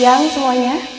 selamat siang semuanya